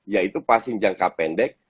yaitu passing jangka pendek